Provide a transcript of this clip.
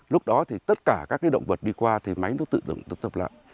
lúc đó thì tất cả các cái động vật đi qua thì máy nó tự tập lại